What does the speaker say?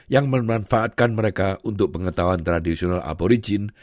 yang memanfaatkan mereka untuk pengetahuan tradisional aporigin